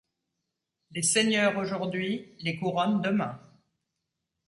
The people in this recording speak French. Les seigneurs aujourd'hui, les couronnes demain !